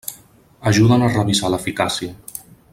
Ajuden a revisar l'eficàcia.